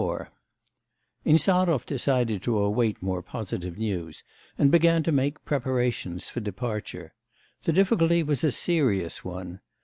XXIV Insarov decided to await more positive news, and began to make preparations for departure. The difficulty was a serious one.